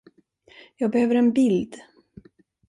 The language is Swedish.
Jag behöver en bild.